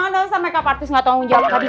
dosa makeup artist nggak tau jawab